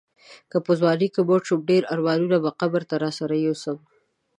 که په ځوانۍ کې مړ شوم ډېر ارمانونه به قبر ته راسره یوسم.